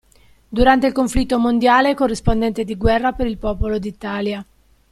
Durante il conflitto mondiale è corrispondente di guerra per il Popolo d'Italia.